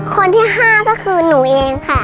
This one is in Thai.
คนที่๕ก็คือหนูเองค่ะ